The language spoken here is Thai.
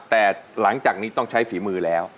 แต่หลังจากนี้ต้องใช้เพลงนะครับ